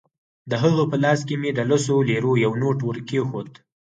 د هغه په لاس کې مې د لسو لیرو یو نوټ ورکېښود.